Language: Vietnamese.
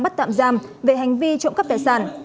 bắt tạm giam về hành vi trộm cắp tài sản